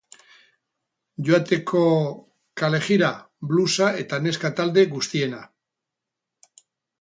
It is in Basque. Joateko kalejira, blusa eta neska talde guztiena.